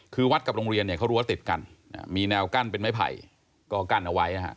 คือวัดกับโรงเรียนเนี่ยเขารั้วติดกันมีแนวกั้นเป็นไม้ไผ่ก็กั้นเอาไว้นะฮะ